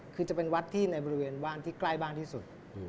คือจะเป็นวัดที่ในบริเวณบ้านที่ใกล้บ้านที่สุด